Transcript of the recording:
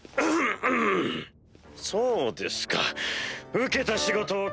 そうですか受けた仕事を。